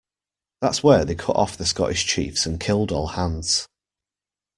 That's where they cut off the Scottish Chiefs and killed all hands.